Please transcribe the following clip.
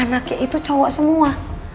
anaknya itu cowok semua